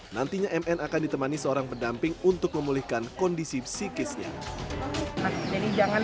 nantinya mn akan ditemani seorang pendamping untuk memulihkan kondisi psikisnya